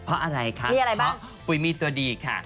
เพราะอะไรคะเพราะปุ๋ยมีตัวดีค่ะ